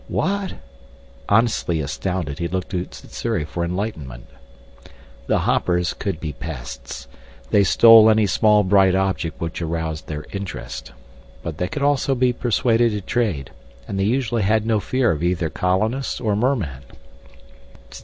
"What ?" Honestly astounded, he looked to Sssuri for enlightenment. The hoppers could be pests. They stole any small bright object which aroused their interest. But they could also be persuaded to trade, and they usually had no fear of either colonist or merman.